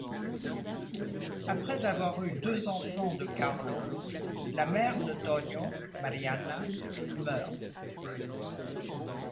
Après avoir eu deux enfants de Carlo, la mère de Tonio, Marianna, meurt.